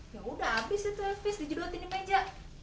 ya udah abis itu elvis dijodohin di meja